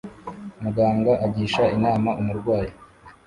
Muganga agisha inama umurwayi